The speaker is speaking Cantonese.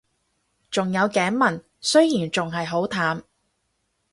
仲有頸紋，雖然仲係好淡